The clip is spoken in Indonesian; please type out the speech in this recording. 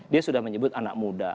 dia sudah menyebut anak muda